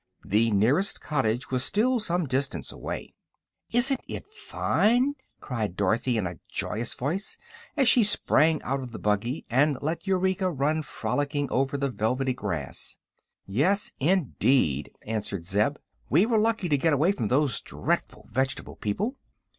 The nearest cottage was still some distance away. "Isn't it fine?" cried Dorothy, in a joyous voice, as she sprang out of the buggy and let Eureka run frolicking over the velvety grass. "Yes, indeed!" answered Zeb. "We were lucky to get away from those dreadful vegetable people."